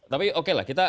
tapi oke lah kita